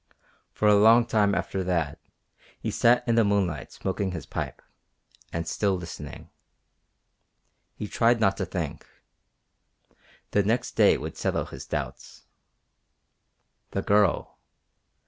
For a long time after that he sat in the moonlight smoking his pipe, and still listening. He tried not to think. The next day would settle his doubts. The Girl?